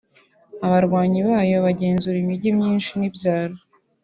Abarwanyi bayo bagenzura imijyi myinshi n’ibyaro